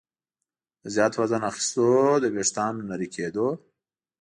د زیات وزن اخیستلو، د ویښتانو نري کېدو